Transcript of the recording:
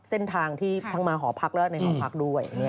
เส้นทางที่ทั้งมาหอพักและในหอพักด้วย